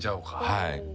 はい。